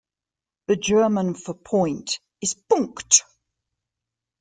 The German for point is Punkt.